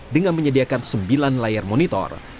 dengan menyediakan sembilan layar monitor